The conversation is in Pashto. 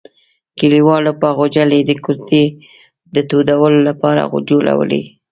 کلیوالو به غوجلې د کوټې د تودولو لپاره جوړولې.